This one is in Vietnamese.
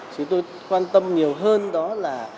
chúng tôi quan tâm nhiều hơn đó là